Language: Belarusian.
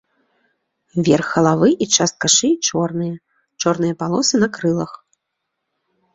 Верх галавы і частка шыі чорныя, чорныя палосы на крылах.